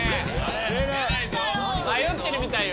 迷ってるみたいよ。